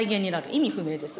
意味不明です。